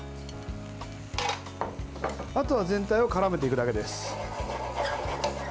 あとは全体をからめていくだけです。